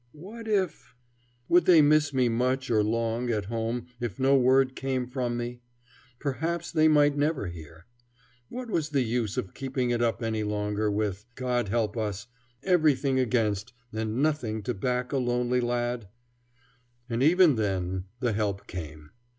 What if ? Would they miss me much or long at home if no word came from me? Perhaps they might never hear. What was the use of keeping it up any longer with, God help us, everything against and nothing to back a lonely lad? And even then the help came.